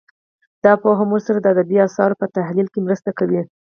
دا پوهه موږ سره د ادبي اثارو په تحلیل کې مرسته کوي